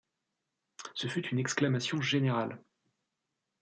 Ce fut une exclamation générale.